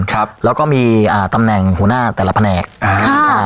ครับแล้วก็มีอ่าตำแหน่งหัวหน้าแต่ละแผนกอ่าอ่า